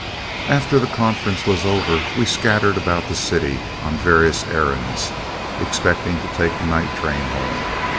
After the conference was over, we scattered about the city, on various errands, expecting to take the night train home.